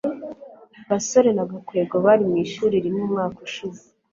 gasore na gakwego bari mu ishuri rimwe umwaka ushize